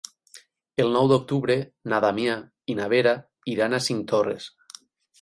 El nou d'octubre na Damià i na Vera iran a Cinctorres.